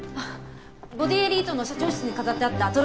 ボディエリートの社長室に飾ってあったトロフィーです。